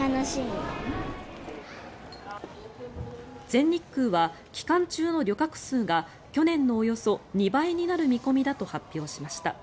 全日空は、期間中の旅客数が去年のおよそ２倍になる見込みだと発表しました。